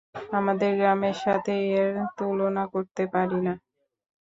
আমাদের গ্রামের সাথে এর তুলনা করতে পারি না।